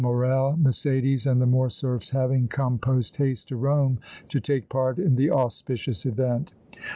Morrel, Mercédès and the Morcerfs having come post haste to Rome to take part in the auspicious event.